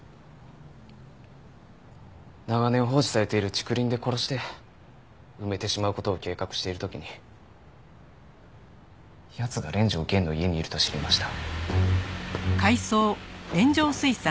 長年放置されている竹林で殺して埋めてしまう事を計画している時に奴が連城源の家にいると知りました。